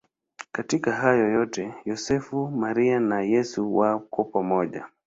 Katika hayo yote Yosefu, Maria na Yesu wako pamoja.